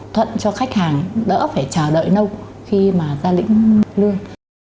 thuận cho khách hàng đỡ phải chờ đợi lâu khi mà ra lĩnh lương